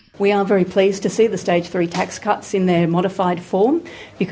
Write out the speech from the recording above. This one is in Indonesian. kami sangat senang melihat cut tax tahap ketiga dalam form modifikasi mereka